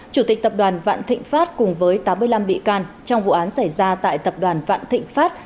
chủ tịch tập đoàn vạn thịnh pháp cùng với tám mươi năm bị can trong vụ án xảy ra tại tập đoàn vạn thịnh pháp